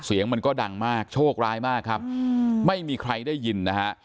เสียงมันก็ดังมากโชคร้ายมากครับไม่มีใครได้ยินนะฮะ